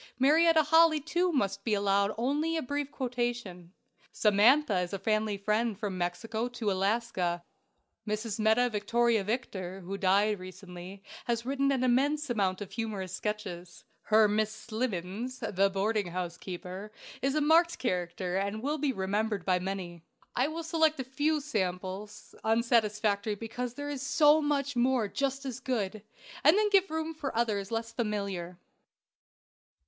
Marietta Holley, too, must be allowed only a brief quotation. "Samantha" is a family friend from Mexico to Alaska. Mrs. Metta Victoria Victor, who died recently, has written an immense amount of humorous sketches. Her "Miss Slimmens," the boarding house keeper, is a marked character, and will be remembered by many. I will select a few "samples," unsatisfactory because there is so much more just as good, and then give room for others less familiar.